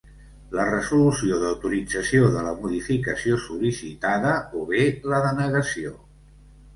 La resolució d'autorització de la modificació sol·licitada o bé la denegació.